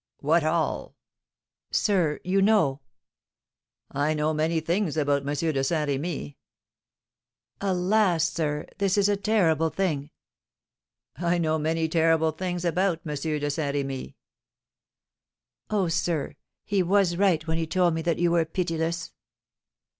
"What all?" "Sir; you know " "I know many things about M. de Saint Remy." "Alas, sir, this is a terrible thing!" "I know many terrible things about M. de Saint Remy." "Oh, sir, he was right when he told me that you were pitiless."